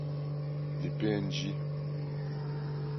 Les p.n.j.